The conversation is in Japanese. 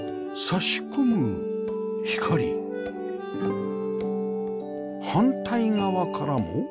差し込む光反対側からも。